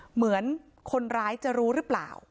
เหมือนคนร้ายจะรู้หรือเปล่า